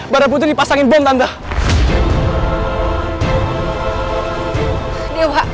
badan putri dipasangin bom tante